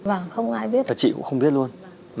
và chị cũng không biết luôn